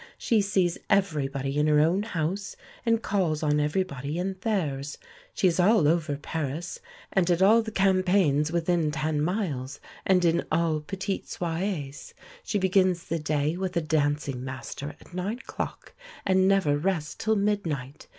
She sees everybody in her own house, and calls on everybody in theirs. She is all over Paris, and at all the campagnes within ten miles, and in all petites soirées. She begins the day with a dancing master at nine o'clock, and never rests till midnight....